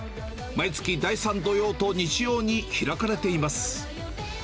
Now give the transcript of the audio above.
毎月第３土曜と日曜に開かれています。